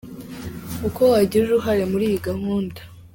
Uko wagira uruhare muri iyi gahunda.